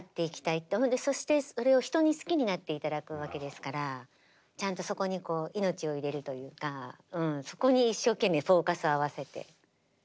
そしてそれを人に好きになって頂くわけですからちゃんとそこに命を入れるというかそこに一生懸命フォーカスを合わせてやってます。